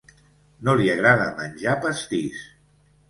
No li agrada menjar pastís.